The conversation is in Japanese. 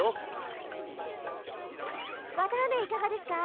わたあめいかがですか？